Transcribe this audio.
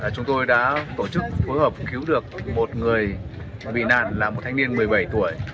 chúng tôi đã tổ chức phối hợp cứu được một người bị nạn là một thanh niên một mươi bảy tuổi